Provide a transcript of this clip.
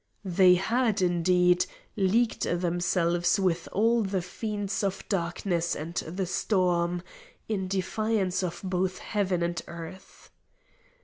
They had, indeed, leagued themselves with all the fiends of Darkness and the Storm, in defiance of both Heaven and Earth.